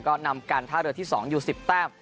ก็นำการท่าเรือที่๒อยู่๑๐แต้ม